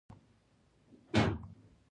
لیکوال باید واضح لیک وکړي.